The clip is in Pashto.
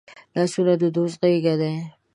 لاسونه د دوست غېږ دي